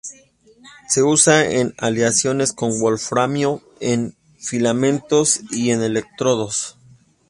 Se usa en aleaciones con wolframio en filamentos y en electrodos.